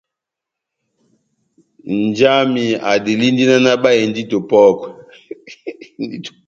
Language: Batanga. Nja wami adelindi náh nabáhe ndito wa bába.